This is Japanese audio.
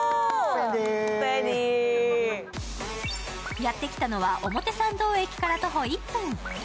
やって来たのは表参道駅から徒歩１分。